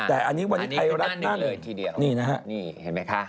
แต่อันนี้วันนี้ไทยรักนั่นเลยนี่เห็นไหมคะ